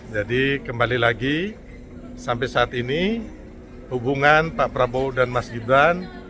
jadi kembali lagi sampai saat ini hubungan pak prabowo dan mas gibran